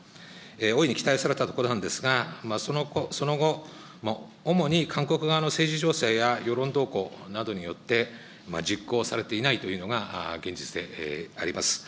大いに期待をされたところなんですが、その後、主に韓国側の政治情勢や世論動向などによって、実行されていないというのが現実であります。